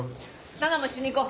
ナナも一緒に行こう。